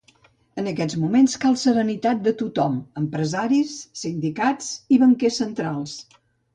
En aquests moments cal serenitat de tothom: empresaris, sindicats i banquers centrals.